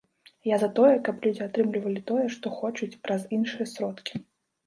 Я за тое, каб людзі атрымлівалі тое, што хочуць, праз іншыя сродкі.